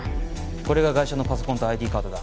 これがガイシャのパソコンとＩＤカードだ。